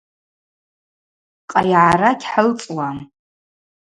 Къайгӏара гьхӏылцӏуам.